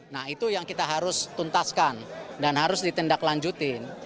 nah itu yang kita harus tuntaskan dan harus ditindaklanjutin